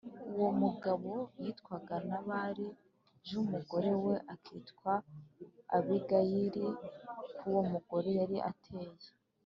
Uwo mugabo yitwaga Nabali j umugore we akitwa Abigayili k Uwo mugore yari ateye